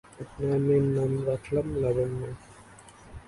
আপনার মেয়ের নাম রাখলাম লাবণ্য।